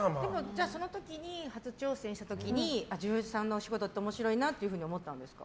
その時に初緒戦した時に女優さんのお仕事って面白いなと思ったんですか。